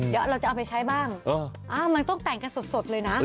เดี๋ยวเราจะเอาไปใช้บ้างมันต้องแต่งกันสดเลยนะ